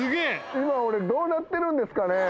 今俺どうなってるんですかね？